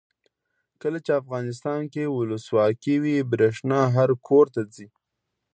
کله چې افغانستان کې ولسواکي وي برښنا هر کور ته ځي.